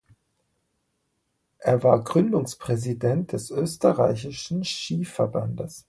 Er war Gründungspräsident des Österreichischen Skiverbandes.